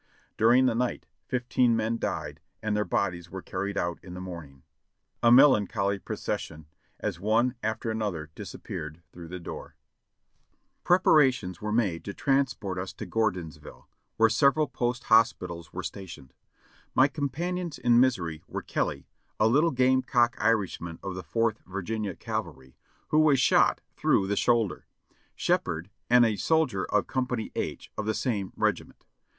During the night fifteen men died and their bodies were car ried out in the morning; a melancholy procession, as one after another disappeared through the door. 558 JOHNNY RKB AND BILIvY YANK Preparations were made to transport lis to Gordonsville, where several post hospitals were stationed. My companions in misery were Kelly, a little game cock Irish man of the Fourth Virginia Cavalry, who was shot through the shoulder; Shepherd and a soldier of Compariy H, of the same regiment.